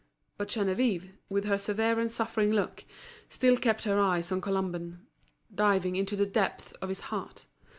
But Geneviève, with her severe and suffering look, still kept her eyes on Colomban, diving into the depths of his heart.